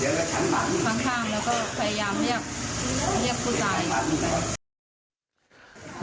ข้างแล้วก็พยายามเรียกท่วตาย